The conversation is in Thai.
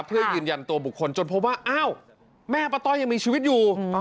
เพื่อยืนยันตัวบุคคลจนพบว่าอ้าวแม่ป้าต้อยยังมีชีวิตอยู่